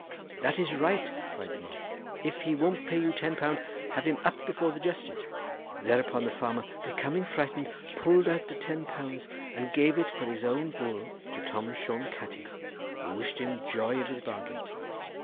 'That is right,' cried the mob. 'If he won't pay you ten pound, have him up before the justice.' Thereupon the farmer, becoming frightened, pulled out the ten pounds and gave it for his own bull to Tom Shone Catti, who wished him joy of his bargain.